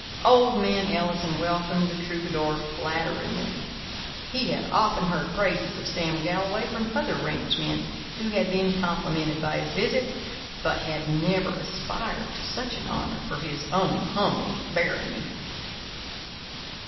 Old man Ellison welcomed the troubadour flatteringly. He had often heard praises of Sam Galloway from other ranchmen who had been complimented by his visits, but had never aspired to such an honour for his own humble barony.